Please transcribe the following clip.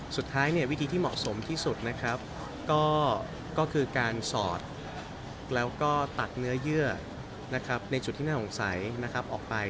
สุดท้ายวิธีที่เหมาะสมที่สุดก็คือการสอดและก็ตัดเนื้อเยื่อในสุดที่น่าหงษัยออกไป